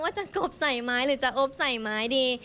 จะกบใส่ไม้หรือจะอบใส่ไม้ดี